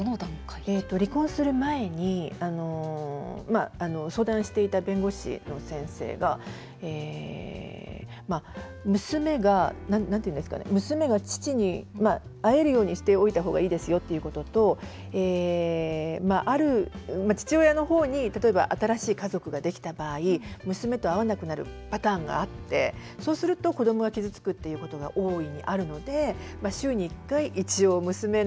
離婚する前に相談していた弁護士の先生が娘が父に会えるようにしておいた方がいいですよっていうことと父親の方に例えば新しい家族ができた場合娘と会わなくなるパターンがありそうすると子どもが傷つくっていうことが大いにあるので週に１回、一応。